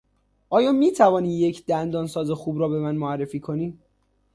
آیا میتوانی یک دندانساز خوب را به من معرفی کنی؟